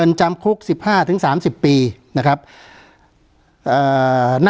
การแสดงความคิดเห็น